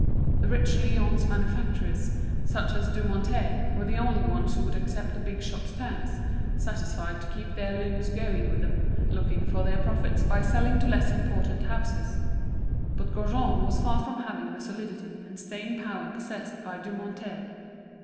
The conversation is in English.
The rich Lyons manufacturers, such as Dumonteil, were the only ones who could accept the big shops' terms, satisfied to keep their looms going with them, looking for their profits by selling to less important houses. But Gaujean was far from having the solidity and staying power possessed by Dumonteil.